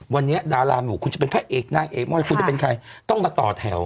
วันนี้ดาราหมู่คุณจะเป็นพระเอกนางเอกม่อยคุณจะเป็นใครต้องมาต่อแถว